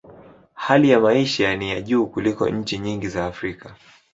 Hali ya maisha ni ya juu kuliko nchi nyingi za Afrika.